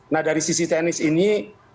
nah dari sisi teknis ini